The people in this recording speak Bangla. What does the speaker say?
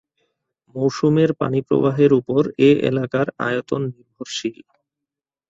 মৌসুমের পানি প্রবাহের উপর এ এলাকার আয়তন নির্ভরশীল।